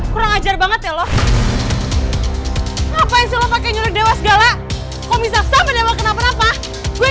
kurang ajar banget ya lo ngapain pake nyurik dewa segala kok bisa sama dewa kenapa kenapa gue